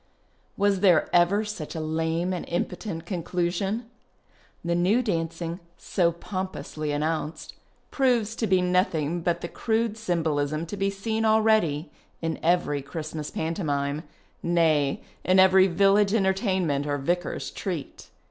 Was there ever such a lame and impotent conclu sion ? The new dancing, so pompously announced, proves to be nothing but the crude symbolism to be seen already in every Christmas pantomime — nay, in every village entertainment or " vicar's treat."